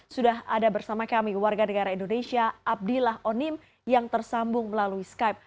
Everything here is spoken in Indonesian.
sudah ada bersama kami warga negara indonesia abdillah onim yang tersambung melalui skype